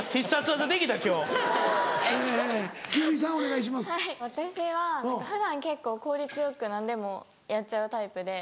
はい私は普段結構効率よく何でもやっちゃうタイプで。